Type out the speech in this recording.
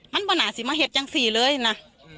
มันประหลาดสิทธิ์มาเห็นจังสิเลยนะ